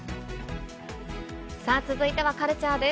さあ、続いてはカルチャーです。